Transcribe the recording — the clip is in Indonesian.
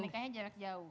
menikahnya jarak jauh